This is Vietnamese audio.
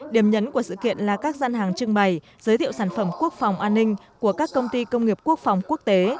điểm nhấn của sự kiện là các gian hàng trưng bày giới thiệu sản phẩm quốc phòng an ninh của các công ty công nghiệp quốc phòng quốc tế